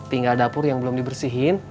tinggal dapur yang belum dibersihin